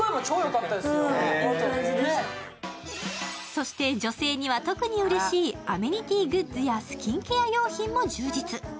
そして、女性には特にうれしいアメニティーグッズやスキンケア用品も充実。